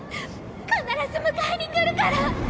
必ず迎えに来るから！